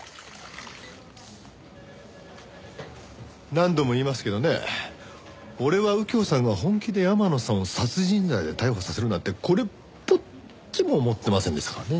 何度も言いますけどね俺は右京さんが本気で山野さんを殺人罪で逮捕させるなんてこれっぽっちも思ってませんでしたからね。